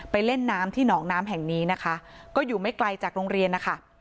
เล่นน้ำที่หนองน้ำแห่งนี้นะคะก็อยู่ไม่ไกลจากโรงเรียนนะคะ